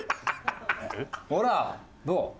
ほらどう？